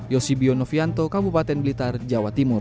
yosibio novianto kabupaten blitar jawa timur